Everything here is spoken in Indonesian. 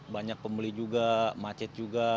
banyak pembeli juga macet juga